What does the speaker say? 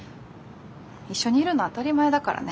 一緒にいるの当たり前だからね